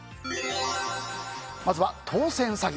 まずは、当選詐欺。